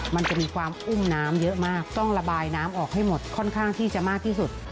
มันจะมีความอุ้มน้ำเยอะมากต้องระบายน้ำออกให้หมดค่อนข้างที่จะมากที่สุด